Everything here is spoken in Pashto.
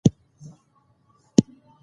چې په زرگونو جرېبه ځمكه خړوبولى شي،